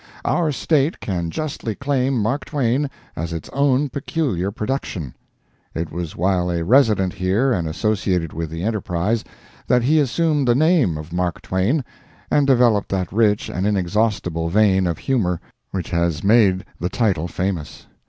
Our state can justly claim Mark Twain as its own peculiar production. It was while a resident here and associated with the Enterprise that he assumed the name of Mark Twain and developed that rich and inexhaustible vein of humor which has made the title famous.